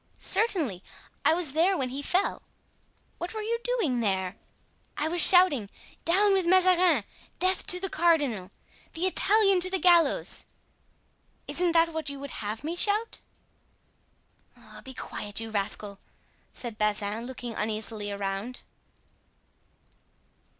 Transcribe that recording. "Certainly; I was there when he fell." "What were you doing there?" "I was shouting, 'Down with Mazarin!' 'Death to the cardinal!' 'The Italian to the gallows!' Isn't that what you would have me shout?" "Be quiet, you rascal!" said Bazin, looking uneasily around.